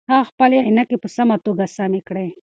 هغه خپلې عینکې په سمه توګه سمې کړې.